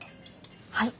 はい。